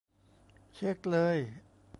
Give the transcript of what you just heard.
เช็กเลย